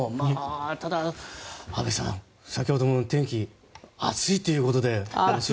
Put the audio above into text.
ただ、安部さん先ほどの天気暑いということで。